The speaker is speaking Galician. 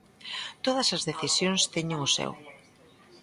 Todas as decisións teñen o seu.